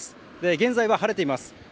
現在は晴れています。